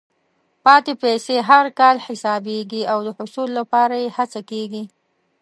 پاتې پیسې هر کال حسابېږي او د حصول لپاره یې هڅه کېږي.